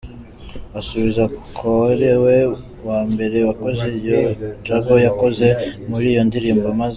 asubiza koari we wa mbere wakoze ibyo Jaguar yakoze muri iyo ndirimbo maze.